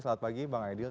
selamat pagi bang aidil